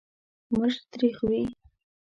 مرچ تریخ وي.